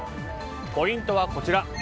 ポイントはこちら。